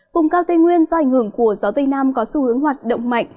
vùng cao tây nguyên do ảnh hưởng của gió tây nam có xu hướng hoạt động mạnh